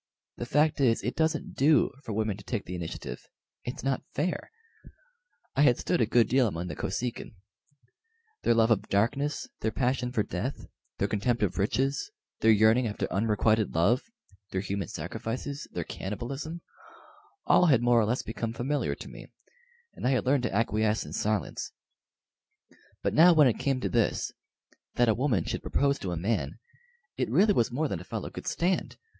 The fact is, it doesn't do for women to take the initiative it's not fair. I had stood a good deal among the Kosekin. Their love of darkness, their passion for death, their contempt of riches, their yearning after unrequited love, their human sacrifices, their cannibalism, all had more or less become familiar to me, and I had learned to acquiesce in silence; but now when it came to this that a woman should propose to a man it really was more than a fellow could stand.